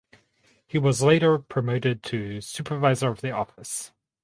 He was later promoted to supervisor of the office.